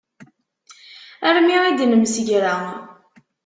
Armi id-nemsegra.